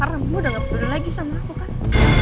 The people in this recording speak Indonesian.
karena kamu udah gak perlu lagi sama aku kan